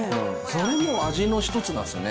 それも味の一つなんですよね。